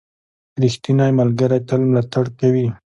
• ریښتینی ملګری تل ملاتړ کوي.